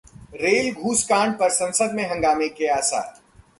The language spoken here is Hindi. रेल घूसकांड पर संसद में हंगामे के आसार